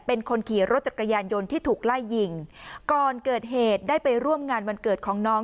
เป็นคนขี่รถจักรยานยนต์ที่ถูกไล่ยิงก่อนเกิดเหตุได้ไปร่วมงานวันเกิดของน้อง